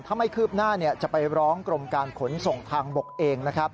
ถ้าไม่คืบหน้าจะไปร้องกรมการขนส่งทางบกเองนะครับ